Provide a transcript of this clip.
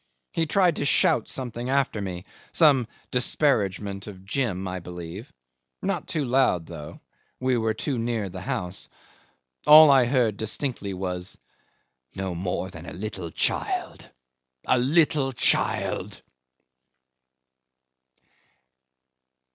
He tried to shout something after me. Some disparagement of Jim, I believe not too loud though, we were too near the house. All I heard distinctly was, "No more than a little child a little child."